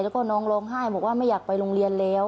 แล้วก็น้องร้องไห้บอกว่าไม่อยากไปโรงเรียนแล้ว